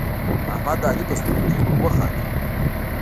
احمد د علی په سترګو کې ور وخوت